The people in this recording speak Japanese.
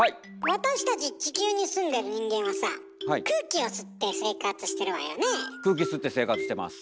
私たち地球に住んでる人間はさ空気吸って生活してます。